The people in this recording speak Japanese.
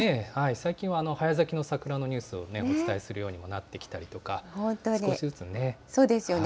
最近は早咲きの桜のニュースをお伝えするようにもなってきたそうですよね。